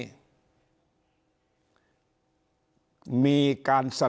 มีการทำอะไรก็ไม่มีความรู้สึก